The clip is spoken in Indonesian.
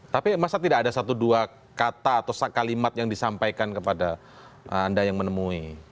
tapi masa tidak ada satu dua kata atau kalimat yang disampaikan kepada anda yang menemui